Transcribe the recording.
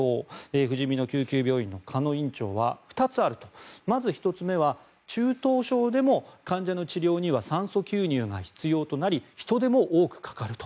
ふじみの救急病院の鹿野院長はまず１つ目は中等症でも患者の治療には酸素吸入が必要となり人手も多くかかると。